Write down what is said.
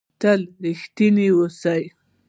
تل رښتنی اوسهٔ.